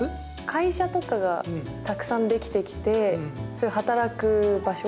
会社とかがたくさんできてきて働く場所？